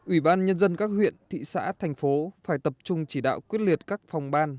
ủy ban nhân dân các huyện thị xã thành phố phải tập trung chỉ đạo quyết liệt các phòng ban